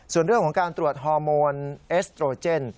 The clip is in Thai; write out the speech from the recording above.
ส่วนเรื่องของการตรวจฮอร์โมนเอสโตรเจน